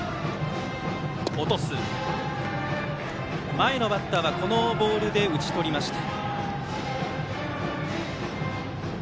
前のバッターは今のボールで打ち取りました。